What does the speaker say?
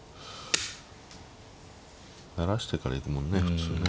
成らしてから行くもんね普通ね。